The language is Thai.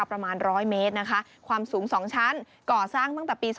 ขึ้นทุกวัน